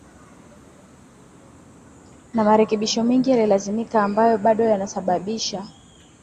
na marekebisho mengi yalimalizika ambayo bado yanasababisha